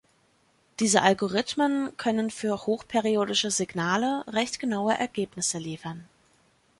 Diese Algorithmen können für hoch periodische Signale recht genaue Ergebnisse liefern.